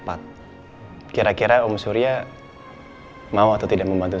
karena biasa ya manicamting